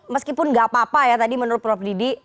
meskipun nggak apa apa ya tadi menurut prof didi